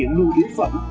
theo những lưu ý phẩm